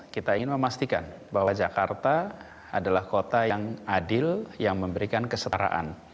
kita ingin memastikan bahwa jakarta adalah kota yang adil yang memberikan kesetaraan